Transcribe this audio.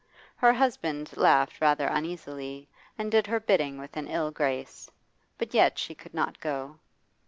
Her husband laughed rather uneasily, and did her bidding with an ill grace. But yet she could not go.